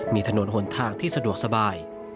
มีถนนหนทางที่สะดวกสบาย